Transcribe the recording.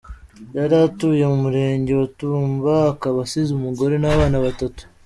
Yari atuye mu Murenge wa Tumba, akaba asize umugore n’abana batatu.